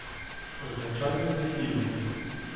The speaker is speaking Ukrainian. Означальні прислівники